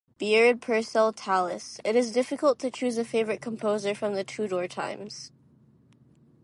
Byrd, Purcell, Tallis, it is difficult to choose a favourite composer from Tudor times.